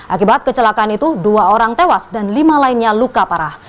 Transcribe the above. akibat kecelakaan itu dua orang tewas dan lima lainnya luka parah